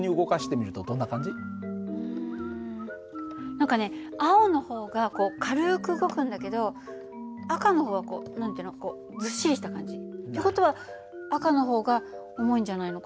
何かね青の方がこう軽く動くんだけど赤の方はこう何て言うのずっしりした感じ。って事は赤の方が重いんじゃないのかな。